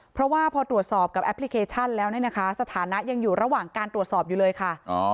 เพราะว่าพอตรวจสอบกับแอปพลิเคชันแล้วเนี่ยนะคะสถานะยังอยู่ระหว่างการตรวจสอบอยู่เลยค่ะ